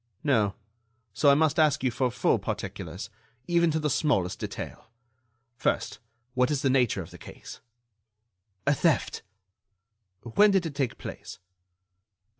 "No; so I must ask you for full particulars, even to the smallest detail. First, what is the nature of the case?" "A theft." "When did it take place?"